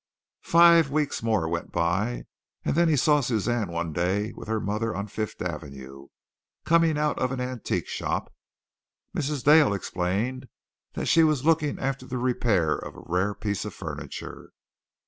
Five weeks more went by and then he saw Suzanne one day with her mother on Fifth Avenue, coming out of an antique shop. Mrs. Dale explained that she was looking after the repair of a rare piece of furniture.